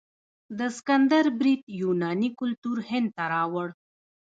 د سکندر برید یوناني کلتور هند ته راوړ.